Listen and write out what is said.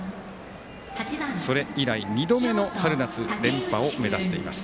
それ以来、２度目の春夏連覇を目指しています。